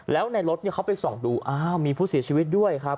แล้วในรถเขาไปส่องดูอ้าวมีผู้เสียชีวิตด้วยครับ